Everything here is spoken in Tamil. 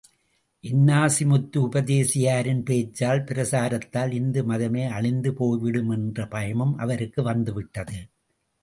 இன்னாசிமுத்து உபதேசியாரின் பேச்சால், பிரசாரத்தால், இந்து மதமே அழிந்து போய்விடும் என்ற பயமும் அவருக்கு வந்து விட்டது.